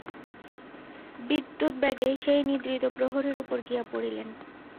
বিদ্যুদ্বেগে সেই নিদ্রিত প্রহরীর উপর গিয়া পড়িলেন।